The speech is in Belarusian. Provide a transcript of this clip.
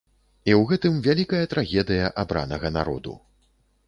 І ў гэтым вялікая трагедыя абранага народу.